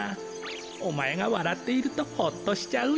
おまえがわらっているとほっとしちゃうんじゃ。